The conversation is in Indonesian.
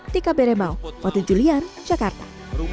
tika berembau wati julian jakarta